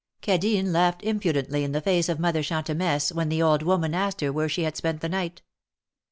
Cadine laughed impudently in the face of Mother Chantemesse when the old woman asked her where she had spent the night.